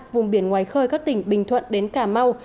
vùng biển ngoài khơi các tỉnh bình thuận đến cà mau